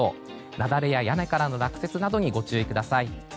雪崩や屋根からの落雪にはご注意ください。